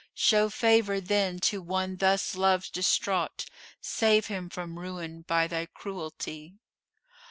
Show favour then to one thus love distraught: * Save him from ruin by thy cruelty!